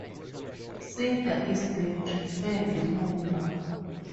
Cedar is the preferred lumber.